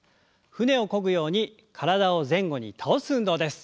舟をこぐように体を前後に倒す運動です。